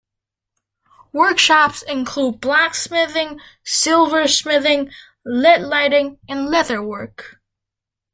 Workshops include blacksmithing, silversmithing, leadlighting and leatherwork.